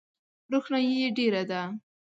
روښنایي ډېره ده .